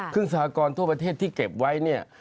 ซึ่งสหกรณ์ทั่วประเทศที่เก็บไว้เนี่ย